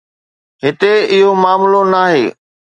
هتي اهو معاملو ناهي